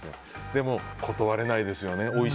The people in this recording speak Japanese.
でも、断れないですよね。